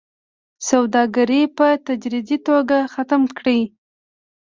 سوداګري په تدريجي توګه ختمه کړي